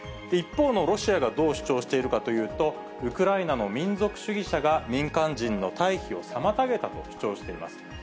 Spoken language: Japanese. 一方のロシアがどう主張しているかというと、ウクライナの民族主義者が、民間人の退避を妨げたと主張しています。